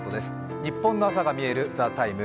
ニッポンの朝がみえる「ＴＨＥＴＩＭＥ，」